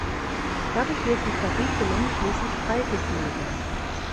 Dadurch wird die Verriegelung schließlich freigegeben.